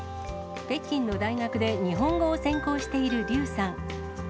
北京の大学で日本語を専攻している劉さん。